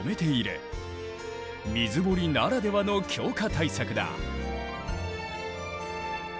水堀ならではの強化対策だ。